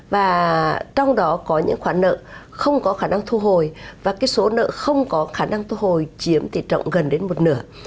và trong đó có những khoản nợ không có khả năng thu hồi và cái số nợ không có khả năng thu hồi chiếm tỷ trọng gần đến một nửa